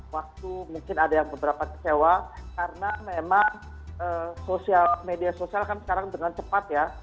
waktu mungkin ada yang beberapa kecewa karena memang sosial media sosial kan sekarang dengan cepat ya